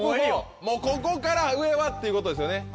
もうここから上はっていうことですよね。